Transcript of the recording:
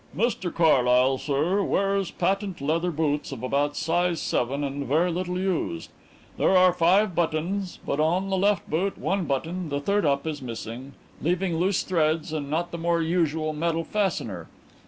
"Mr Carlyle, sir, wears patent leather boots of about size seven and very little used. There are five buttons, but on the left boot one button the third up is missing, leaving loose threads and not the more usual metal fastener.